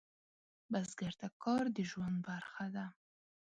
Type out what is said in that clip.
بزګر ته کار د ژوند برخه ده